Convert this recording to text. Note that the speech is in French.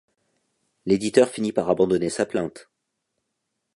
L'éditeur finit par abandonner sa plainte.